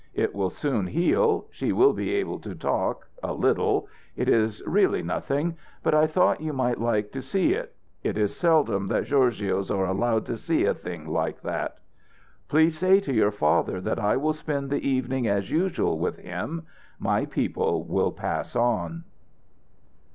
It will soon heal. She will be able to talk a little. It is really nothing, but I thought you might like to see it. It is seldom that gorgios are allowed to see a thing like that. "Please say to your father that I will spend the evening as usual with him. My people will pass on."